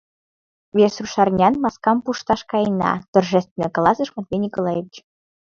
Вес рушарнян маскам пушташ каена, — торжественно каласыш Матвей Николаевич.